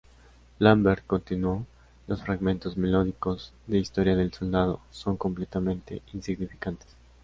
Lambert continuó: "los fragmentos melódicos de Historia del soldado son completamente insignificantes.